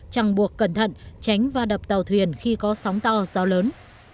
chẳng buộc cẩn thận tránh va đập tàu thuyền khi có sóng to gió lớn